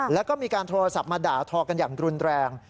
แล้วก็มีการโทรศัพท์มาด่าทอกันอย่างรุนแรง